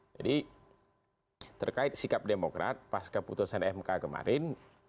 jadi terkait sikap demokrat pas keputusan mk kemarin